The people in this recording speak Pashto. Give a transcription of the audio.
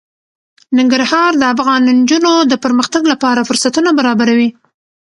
ننګرهار د افغان نجونو د پرمختګ لپاره فرصتونه برابروي.